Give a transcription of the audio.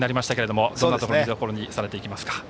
どんなところを見どころにされますか？